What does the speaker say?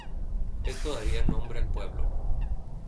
Esto daría nombre al pueblo.